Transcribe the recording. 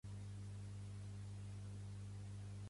Vol finejar i parla amb afectació.